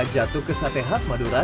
jatuh ke sate khas madura